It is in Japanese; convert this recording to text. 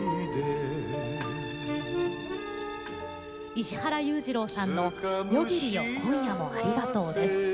石原裕次郎さんの「夜霧よ今夜も有難う」です。